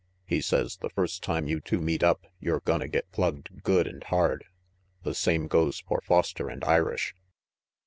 "He says the first time you two meet up, you're gonna get plugged good and hard. The same goes for Foster and Irish."